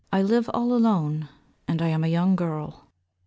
1LIVE all alone, and I am a young girl.